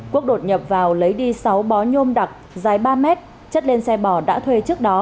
quốc đột nhập vào lấy đi sáu bó nhôm đặc dài ba mét chất lên xe bỏ đã thuê trước đó